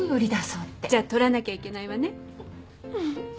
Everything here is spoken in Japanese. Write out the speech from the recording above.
じゃあ取らなきゃいけないわね